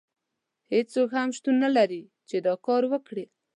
هیڅوک هم شتون نه لري چې دا کار وکړي.